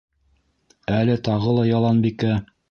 Әле тағы ла Яланбикә: